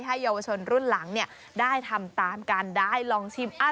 ให้เยาวชนรุ่นหลังได้ทำตามกัน